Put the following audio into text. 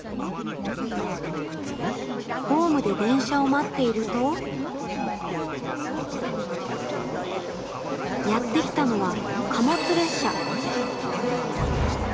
ホームで電車を待っているとやってきたのは、貨物列車。